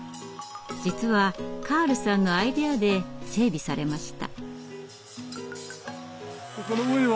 実はカールさんのアイデアで整備されました。